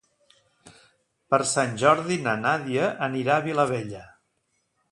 Per Sant Jordi na Nàdia anirà a la Vilavella.